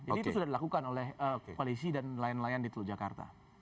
jadi itu sudah dilakukan oleh koalisi dan lain lain di teluk jakarta